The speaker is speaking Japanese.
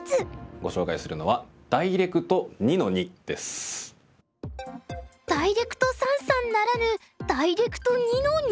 ご紹介するのはダイレクト三々ならぬダイレクト２の２！？